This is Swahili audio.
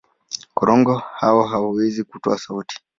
Korongo hawa hawawezi kutoa sauti.